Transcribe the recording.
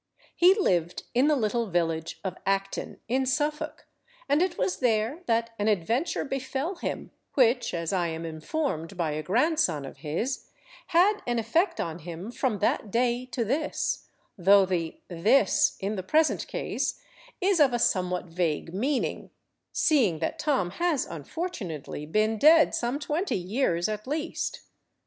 He lived in the little village of Acton, in Suffolk, and it was there that an adventure befell him, which, as I am informed by a grandson of his, "had an effect on him from that day to this"—though the "this" in the present case is of a somewhat vague meaning, seeing that Tom has unfortunately been dead some twenty years at least.